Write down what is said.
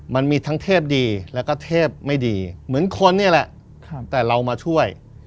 มันมีทั้งเทพดีแล้วก็เทพไม่ดีเหมือนคนนี่แหละแต่เรามาช่วย